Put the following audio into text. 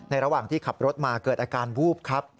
ระหว่างที่ขับรถมาเกิดอาการวูบครับ